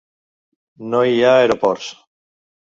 No hi ha aeroports.